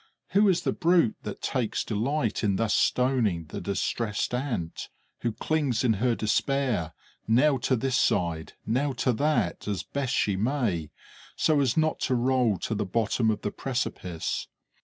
Who is the brute that takes delight in thus stoning the distressed Ant, who clings in her despair now to this side, now to that, as best she may, so as not to roll to the bottom of the precipice?